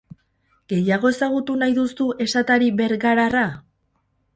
Gehiago ezagutu nahi duzu esatari bergararra?